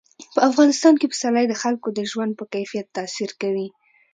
په افغانستان کې پسرلی د خلکو د ژوند په کیفیت تاثیر کوي.